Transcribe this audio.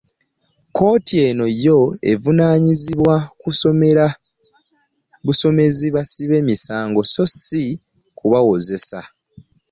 Kkooti eno yo evunaanyizibwa kusomera busomezi basibe misango so si kubawozesa.